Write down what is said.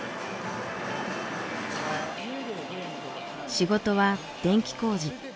仕事は電気工事。